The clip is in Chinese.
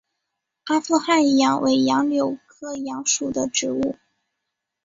阿富汗杨为杨柳科杨属的植物。